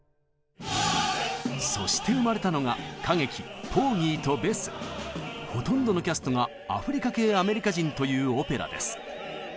そして生まれたのがほとんどのキャストがアフリカ系アメリカ人というオペラです。